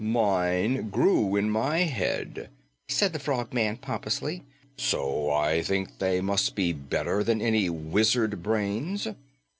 "Mine grew in my head," said the Frogman pompously, "so I think they must be better than any wizard brains.